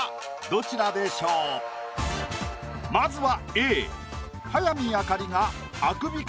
まずは。